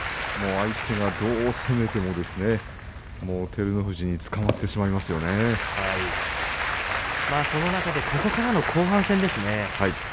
相手がどう攻めても照ノ富士にその中でここからの後半戦ですね。